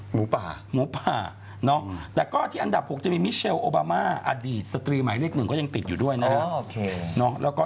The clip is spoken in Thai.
หมูป่าหมูป่าแต่ก็ที่อันดับ๖จะมีมิเชลโอบามาอดีตสตรีหมายเลขหนึ่งก็ยังติดอยู่ด้วยนะครับ